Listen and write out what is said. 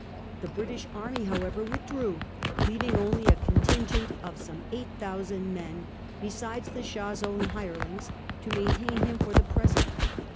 The British army, however, withdrew, leaving only a con tingent of some eight thousand men, besides the Shah's own hirelings, to maintain him for the pre sent.